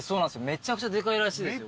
めちゃくちゃでかいらしいですよ。